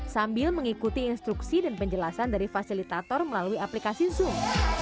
sambil mengikuti instruksi dan penjelasan dari fasilitator melalui aplikasi zoom